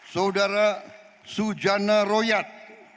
saudara sujana royad